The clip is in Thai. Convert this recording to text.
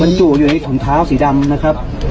มันอยู่อยู่ในขุมเท้าสีดำนะครับ